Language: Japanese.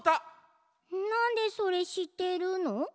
なんでそれしってるの？